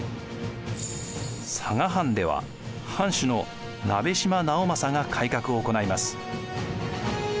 佐賀藩では藩主の鍋島直正が改革を行います。